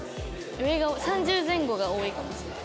上が３０前後が多いかもしれない。